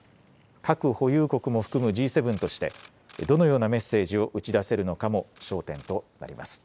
核保有国も含むＧ７としてどのようなメッセージを打ち出せるのかも焦点となります。